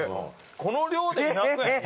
この量で２００円安くね？